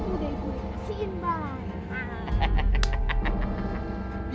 udah udah kasihin mbak